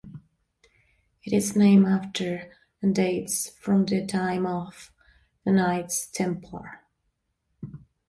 It is named after, and dates from the time of, the Knights Templar.